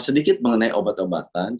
sedikit mengenai obat obatan